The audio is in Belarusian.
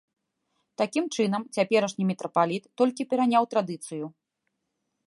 Такім чынам, цяперашні мітрапаліт толькі пераняў традыцыю.